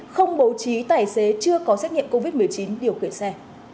không bầu trí tài xế chưa có xét nghiệm covid một mươi chín điều khởi xe